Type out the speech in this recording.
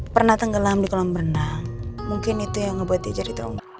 pernah tenggelam di kolam berenang mungkin itu yang ngebuat dia cerita